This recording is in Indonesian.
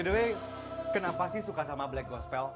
the way kenapa sih suka sama black gospel